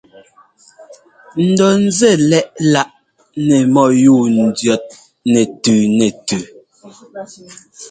N dɔ ńzɛ́ lɛ́ꞌ láꞌ nɛ mɔ́yúu ndʉ̈ɔt nɛtʉ nɛtʉ.